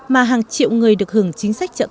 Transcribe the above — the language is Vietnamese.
mà hàng triệu người được hưởng chính sách trợ